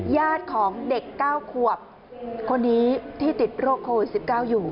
ญาติของเด็ก๙ขวบคนนี้ที่ติดโรคโควิด๑๙อยู่